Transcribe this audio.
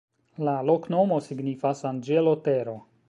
La loknomo signifas: anĝelo-tero.